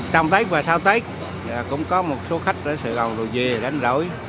trong tết và sau tết cũng có một số khách ở sài gòn đồ dìa đánh rỗi